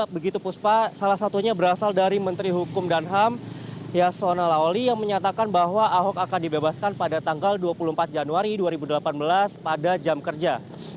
begitu puspa salah satunya berasal dari menteri hukum dan ham yasona lawli yang menyatakan bahwa ahok akan dibebaskan pada tanggal dua puluh empat januari dua ribu delapan belas pada jam kerja